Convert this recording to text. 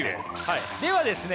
ではですね